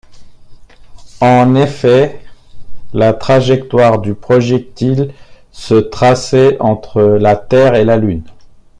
En effet, la trajectoire du projectile se traçait entre la Terre et la Lune.